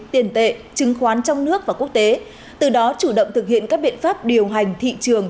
tiền tệ chứng khoán trong nước và quốc tế từ đó chủ động thực hiện các biện pháp điều hành thị trường